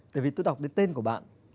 tại vì tôi đọc đến tên của bạn